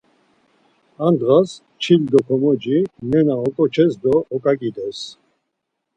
Ar ndğas ar çil do komoci nena oǩoçes do oǩaǩides.